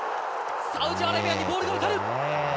サウジアラビアにボールが渡る。